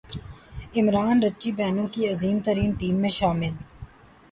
Imran Richie Benaud کی عظیم ترین ٹیم میں شامل